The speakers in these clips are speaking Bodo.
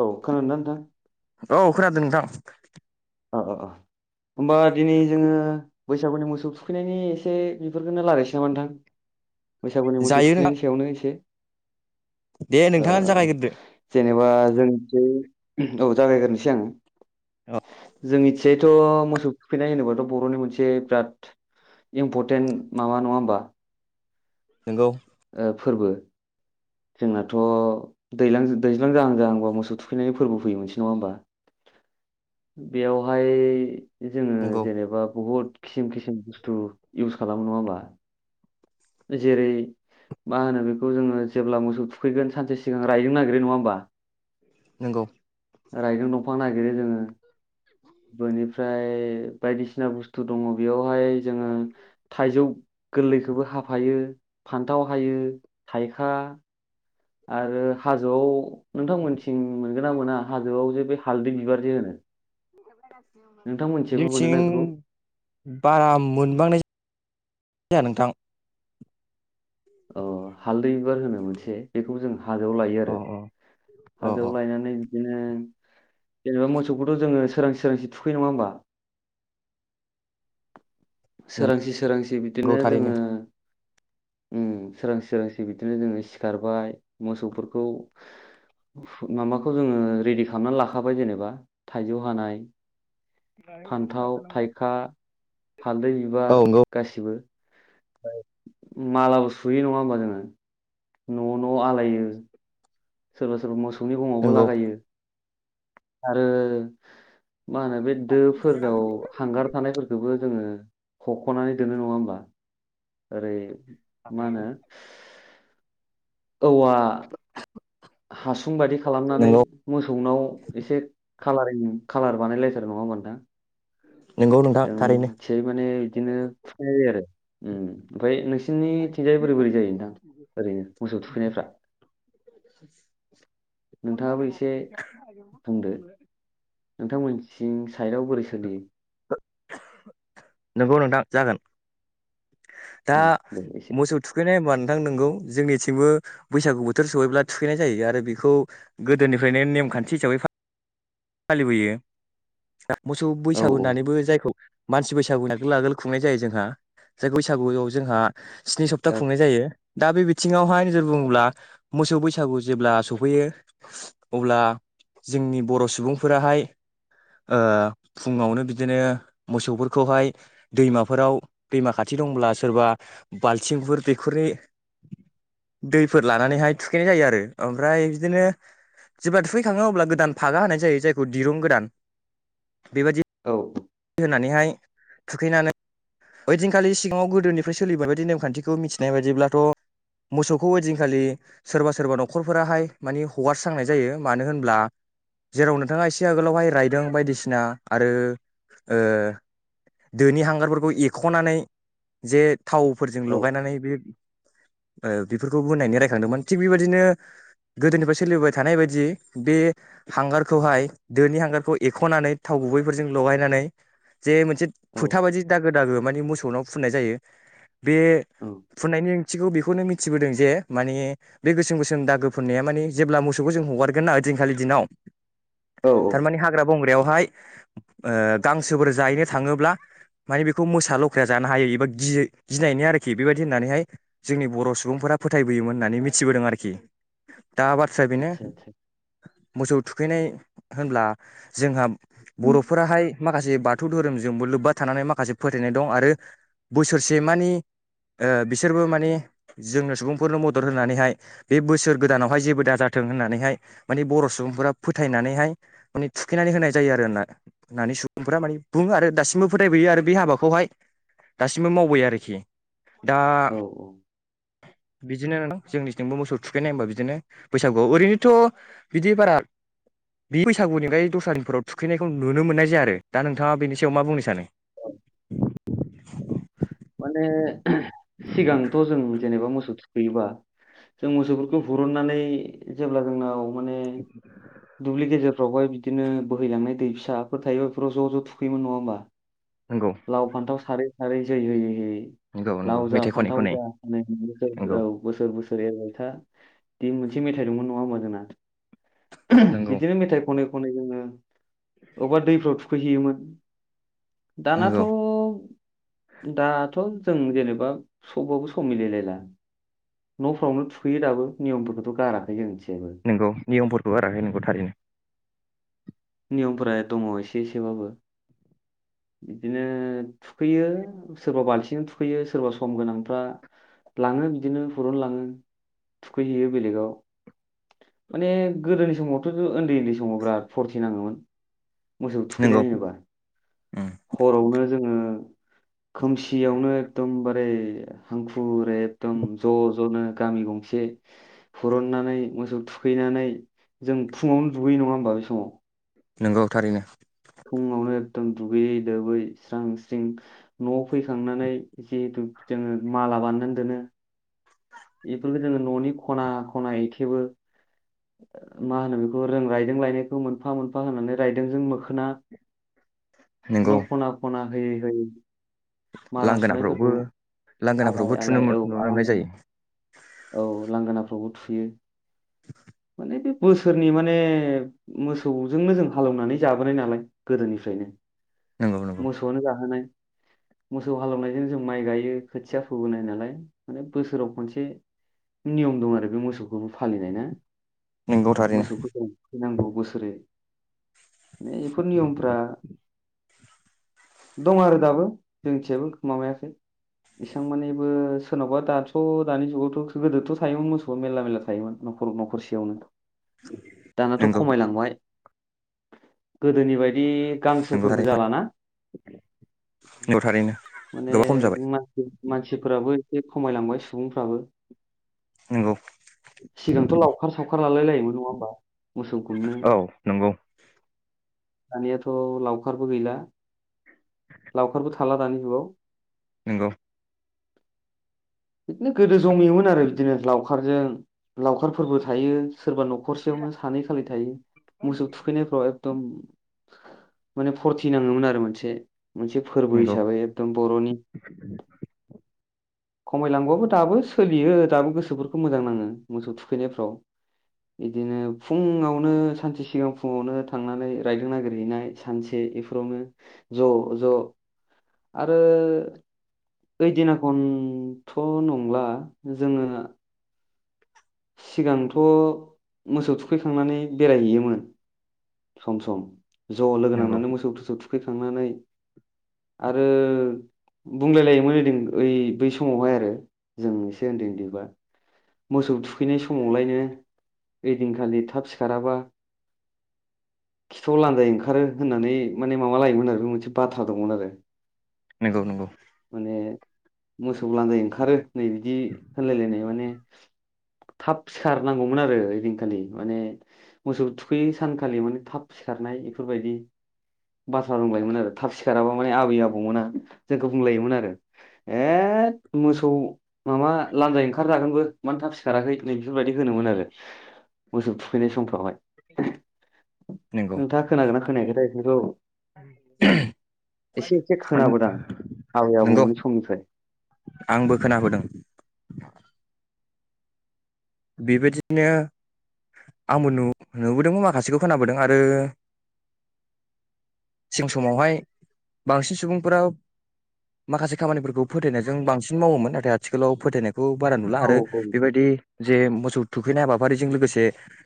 औ खोनादोंना नोंथां औ खोनादों नोंथां ओ ओ ओ होमबा दिनै जोङो बैसागुनि मोसौ थुखैनायनि एसे बेफोरखौननो रायलायसै नामा नोंथां? बैसागुनि मोसौ जायो नोंथां थुखैनायनि सायावनो एसे दे ओ नोंथाङानो जागायग्रोदो जेनेबा जोंनिथि औ जागायग्रोनोसै आङो औ जोंनिथियायैथ' मोसौ थुखैनाय होनोबाथ' बर'नि मोनसे बिराद इम्परटेन्ट माबा नङा होमबा नोंगौ ओ फोरबो जोंनाथ' दैलां-दैज्लां जाहां जाहांबा मोसौ थुखैनायनि फोरबो फैयो मोनसे नङा होमबा बेयावहाय जोङो नंगौ जेनेबा बहुद खिसिम खिसिम बुस्थु इउस खालामो नङा होमबा जेरै मा होनो बेखौ जोङो जेब्ला मोसौ थुखैगोन सानसे सिगां रायदों नागिरो नङा होनबा? नंगौ रायदों दं फां नागिरो जोङो बोनि फ्राय बायदिसिना बुस्थु दङ बेयावहाय जोङो थाइजौ गोरलैखोबो हाफायो फान्थाव हायो थाइ खा आरो हाजोआव नोंथांमोन निथिं मोनगो ना मोना हाजोआव जे बे हालदै बिबार जे होनो नोंथां मोनथिबो जोंथिं मोनोना बेखौ? बारा मोनबांनाय जाया नोंथां। अ हालदै बिबार होनो मोनसे बेखौ जों हाजोआव लायो आरो अ अ अ अ हाजोआव लायनानै बिदिनो जेन'बा मोसौखौथ' जोङो सोरांसि सोरांसि थुखैयो नङा होमबा? सोरांसि सोरांसि नंगौ बिदिनो थारैनो जोङो उम सोरांसि सोरांसि बिदिनो जोङो सिखारबाय मोसौफोरखौ माबाखौ जोङो रेडि खालामनानै लाखाबाय जेनेबा थाइजौ हानाय फान्थाव, थाइखा, हालदै औ बिबार नंगौ गासिबो बो मालाबो सुयो नङा होमबा जोङो? न' न' आलायो। सोरबा सोरबा मोसौ नि गङावबो नंगौ लागायो आरो मा होनो बे दोफोराव हांगार थानायफोरखोबो जोङो हख'नानै दोनो नङा होमबा ओरै मा होनो औवा हासुं बायदि खालामनानै नंगौ मोसौनाव एसे खालारिं कालार बानायलाय थारो नङा होमबा नोंथां नंगौ नोंथां थारैनो जों इसे माने बिदिनो थुखैनाय जायो आरो उम उम ओमफ्राय नोंसि सिनिथिंजाय बोरै बोरै जायो नोंथां ओरैनो मोसौ थुखैनायफ्रा? नोंथाङाबो एसे बुंदो [unintelligible] नोंथांमोननिथिं साइदआव बोरै सोलियो नोंगौ नोंथां जागोन दा उम दे एसे मोसौ थुखैनाय होमबा नोंथां नोंगौ जोंनिथिंबो बैसागु बोथोर सहैब्ला थुखैनाय जायो आरो बेखौ गोदोनिफ्रायनो नेमखान्थि हिसाबै फा फालिबोयो मोसौ औ बैसागु औ होननानैबो जायखौ मानसि बैसागुनि आगोल आगोल खुंनाय जायो जोंहा जाय बैसागुआव जोंहा स्नि सप्ता औ खुंनाय जायो। दा बे बिथिङावहाय नोजोर बुङोब्ला मोसौ बैसागु जेब्ला सफैयो अब्ला जोंनि बर सुबुं फोराहाय ओ फुङावनो बिदिनो मोसौफोरखौहाय दैमाफोराव दैमा खाथि दंब्ला सोरबा बालथिंफोर दैखरनि दैफोर लानानैहाय थुखैनाय जायो आरो ओमफ्राय बिदिनो जेब्ला थुखैखाङो अब्ला गोदान फागा होनाय जायो जाय दिरुं गोदान औ होनानैहाय थुखैनानै बै दिनखालि सिगाङाव गोदोनिफाय सोलिबोनाय नेमखान्थिखौ मिथिनाय बायदिब्लाथ मोसौखौ ओइदिनखालि सोरबा सोरबा नखरफोराहाय मानि हगारस्रांनाय जायो मानो होनब्ला जेराव नों थाङा एसे आगोलावहाय रायदों बायदिसिना आरो ओ दोनि हांगारफोरखौ एखनानै जे थावफोरजों औ लगायनानै बे ओ बेफोरखौ बुनायनि रायखांदोंमोन थिग बेबादिनो गोदोनिफाय सोलिबोबाय थानाय बायदि बे हांगा खौहाय दोनि हांगार खौ एखनानै थाव गुबैफोरजों लगायनानै जे मोनसे औ फोथा बादि दागो दागो मानि मोसौनाव फुननाय जायो बे औ फुननायनि ओंथिखौ बेख खौनो मिथिबोदों जे माने बे गोसोम गोसोम दागो फोननाया माने जेब्ला मोसौखौ जों हगारगोन ओइ दिनखालि दिनाव औ थारमानि हाग्रा बंग्रायावहाय ओ गांसोफोर जाहैनो थाङोब्ला मानि बेखौ मोसा लख्राया जानो हायो एबा गि-गिनायनि आरोखि बेबादि होननानैहाय जोंनि बर सुबुंफोरा फोथायबोयोमोन होननानै मिथिबोदों आरोखि दा बाथ्राया बेनो आदसा आदसा मोसौ थुखैनाय होनब्ला जोंहा बर'फोराहाय माखासे बाथौ धोरोमजोंबो लोब्बा थानानै माखासे फोथायनाय दं आरो बोसोरसे मानि ओ बिसोरबो मानि जोंनो सुबुंफोरनो मदद होनानैहाय बे बोसोर गोदानावहाय जेबो दाजाथों होननानैहाय मानि बर सुबुंफोरा फोथायनानैहाय माने थुखैनानै होनाय जायो आरोना होननानै सुबुंफोरा माने बुङो आरो दासिमबो फोथायबोयो आरो बे हाबाखौहाय दासिमबो मावबोयो आरोखि दा औ औ बिदिनो जोंनिथिंबो मोसौ थुखैनाय होमबा बिदिनो बैसागुआव ओरैनोथ बिदि बारा बे बैसागुनिफाय [unintelligible] थुखैनायखौ नुनो मोननाय जाया आरो दा नोंथाङा बेनि सायाव मा बुंनो सानो औ माने सिगांथ जों जेनेबा मोसौ थु [unintelligible] जों मोसौफोरखौ हुरुननानै जेब्ला जोंनाव माने दुब्लि गेजेर फ्रावहाय बिदिनो बोहैलांनाय दै फिसाफोर थायो बेफोराव ज' ज' थुखैयोमोन नङा होमबा? नंगौ लाव फान्थाव सारै सारै जै होयै होयै नंगौ नंगौ लाव जा मेथाइ खनै फान्थाव खनै जा नंगौ [unintelligible] औ बोसोर बोसोर ओरै नोंथां दि मोनसे मेथाइ दंमोन नङा होमबा जोंना? नंगौ बिदिनो मेथाइ खनै खनै जोंङो अबार दै थु थुखैहैयोमोन दानाथ' नंगौ दाथ' जों जेनेबा सबबाबो सम मिलायलायला न'फोरावनो थुखैयो दाबो नियमफोरखौथ' गाराखै जोंनिथिं नोंगौ नियमफोरखौ गाराखै नोंखौ थारैनो नियमफोरा दङ एसे एसेबाबो बिदिनो थुखैयो सोरबा बालथिंजों थुखैयो सोरबा सम गोनांफ्रा लाङो बिदिनो फुरनो लाङो थुखैहैयो बेलेगाव माने गोदोनि समावथ' उन्दै उन्दै समाव बिराद फ फुरथि नाङोमोन मोसौ नंगौ थुखैनाय होनोब्ला उम हरावनो जोङो औ खोमसियावनो एकदम बारे ओरै हांखुर एदम ज' ज'नो गामि गंसे हरननानै मोसौ थुखैनानै जों फुङावनो दुगैयो नङा होमबा बे समाव नोंगौ थारैनो फुङावनो एखदम दुगैयै लोबै स्रां स्रिं न'आव फैखांनानै जिहेथु जोङो माला बाननानै दोनो बेफोरो न'नि खना खना ओइ जेबो मा होनो बेखौ रों रायदों लायनायखौ मोनफा मोनफा होननानै रायदोंजों मोखोना न' खना खना होयै होयै माला लांगोनाफोरावबो सुनायफोरखौ आलाय लांगोनाफोरावबो थुनो आलाय औ नुलांनाय लांगोना जायो। औ लांगोनाफ्रावबो थुयो [inaudible] बेदि बोसोरनि माने मोसौजोंनो जों हालौवनानै जाबोनाय नालाय गोदोनिफ्रायनो नंगौ नंगौ मोसौआनो जाहोनाय मोसौ हालेवनायजों जों माइ गायो खोथिया फोबोनाय नालाय माने बोसोराव खनसे नियम दं आरो बे मोसौखौ फालिनाय ना नंगौ थारैनो मोसौखौ जों थुखैनांगौ बोसोरे बे बेफोर नियमफ्रा दं आरो दाबो जोंथियाबो माबायाखै एसबां मानबो सोरनावबा दाथ' दानि जुगावथ' गोदोथ' थायोमोन मोसौआ मेरला मेरला थायोमोन न'खर न'खर नखरसेयावनो दानाथ' नंगौ खमायलांबाय गोदोनि बायदि बिदि नंगौ गांसोफोरबो थारैनो जालाना नंगौ थारैनो माने गोबां खम जाबाय मानसिफोराबो एसे खमायलांबाय सुबुंफ्राबो नंगौ सिगांथ' लाव लावखार सावखार लालायलायोमोन नङा होमबा मोसौ गुमनो औ नंगौ दानियाथ लावखारबो गैला लावखारबोथ थाला दानि जुग आव नोंगौ बिदिनो गोदो जमियोमोन आरो बिदिनो लावखारजों लावखारफोरबो थायो सोरबा नखरसेयावनो सानै खालि थायो मोसौ थुखैनायफ्राव एकदम माने फर्थि नाङोमोन आरो मोनसे मोनसे फोरबो नंगौ हिसाबै एकदम बरनि खमायलांबाबो दाबो सोलियो दाबो गोसोफोरखौ मोजां नाङो मोसौ थुखैनायफ्राव बिदिनो फुङावनो सानसे सिगां फुङावनो थांनानै रायदों नागिरहैनाय सानसे बेफोरावनो ज ज आरो ओइदिना खन थ नंला जोङो सिगांथ मोसौ थुखैखांनानै बेरायहैयोमोन सम सम ज लोगो नंगौ नांनानै मोसौ थु थुखै फैखांनानै आरो बुंलायलायोमोन बै समावहाय आरो जों एसे उन्दै उन्दैबा मोसौ फैनाय समावलायनो ओइदिनखालि थाब सिखाराबा खिथाव लान्जाय ओंखारो होननानै माने माबा लायोमोन आरो बे मोनसे बाथ्रा दंमोन आरो नंगौ नंगौ माने मोसौ लन्जाय ओंखारो नै बिदि होनलायलायनाय माने थाब सिखारनांगौमोन आरो ओइदिनखालि माने मोसौ थुखैयै सानखालि माने थाब सिखारनाय बेफोरबायदि बाथ्रा दंलायोमोन आरो थाब सिखाराबा माने आबै आबौमोना जोंखौ बुंलायोमोन आरो ए मोसौ माबा लान्जाय ओंखारजागोनबो मानो थाब सि सिखाराखै नै बेफोरबायदि होनोमोन आरो मोसौ थुखैनाय समफ्रावहाय नंगौ नोंथाङा खोनादोंना खोनायाखैथाय ऐफोरखौ एसे एसे खोनाबोदां आबै नंगौ आबौमोननि समनिफ्राय। आंबो खोनाबोदों बेबायदिनो आंबो नु नुबोदोंमोन माखासेखौ खोनाबोदों आरो सिगां समावहाय बांसिन सुबुंफोरा माखासे खामानिफोरखौ फोथायनायजों बांसिन मावोमोन नाथाय आथिखालाव फोथायनायखौ बारा नुला औ आरो औ बेबायदि जे मोसौ थुखैनाय हाबाफारिजों लोगोसे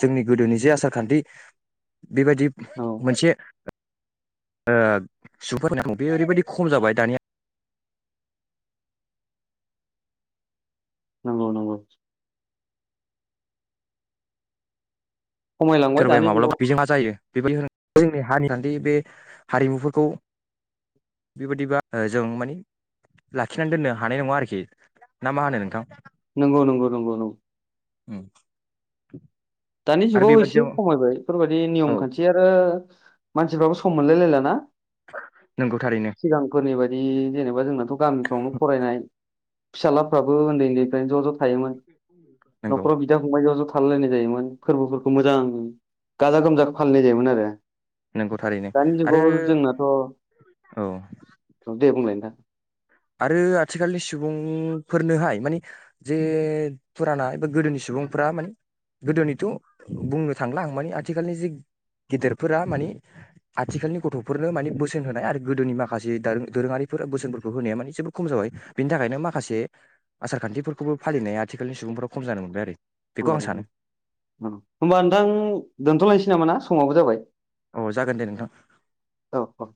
जोंनि गोदोनि जे आसारखान्थि बेबायदि औ मोनसे ओ [unintelligible] बे ओरैबायदि खम जाबाय दानिया नंगौ नंगौ। खमायलांबाय सोरबाया दानि जुगाव माब्लाबा बिजों मा जायो बेबायदि होन जोंनि हारि खान्थि बे हारिमुफोरखौ बेबायदिबा जों मानि लाखिनानै दोननो हानाय नङा आरोखि ना मा होनो नोंथां? नंगौ नंगौ नंगौ नंगौ। उम। दानि जुगाव एसे खमायबाय बेफोरबायदि नियम औ खान्थि आरो मानसिफ्राबो सम मोनलायलायला ना। नंगौ थारैनो सिगांफोरनि बाय जे जेनेबा जोंना थ' गामिफ्रावनो फरायनाय फिसालाफ्राबो उन्दै उन्दैनिफ्रायनो ज' ज' थायोमोन नंगौ न'खराव बिदा फंबाय ज' ज' थालाय लायनाय जायोमोन। फोर्बोफोरखौ मोजां गाजा गोमजा फालिनाय जायोमोन आरो। नंगौ थारैनो दानि आरो जुगाव जोंनाथ' औ दे बुंलाय नोंथां। आरो आथिखालनि सुबुंफोरनोहाय माने जे फुराना एबा गोदोनि सुबुंफोरा माने गोदोनिथ' बुंनो थांला आं माने आथिखालनि जि गेदेरफोरा माने आथिखालनि गथ'फोरनो माने बोसोन होनाय आरो गोदोनि माखासे दा दोरोङारिफोर बोसोनफोरखौ होनाया माने जोबोर खम जाबाय बिनि थाखायनो माखासे आसार खान्थिफोरखौबो फालिनाया आथिखालनि सुबुंफोरा खम जानो मोनबाय आरो। बेखौ होमबा आं सानो नोंथां दोन्थ'लायनोसै नामा ना समावबो जाबाय। औ जागोन दे नोंथां। औ औ